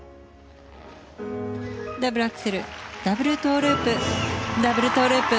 ダブルアクセルダブルトウループダブルトウループ。